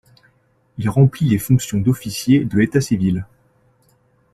Il remplit les fonctions d'officier de l'état civil.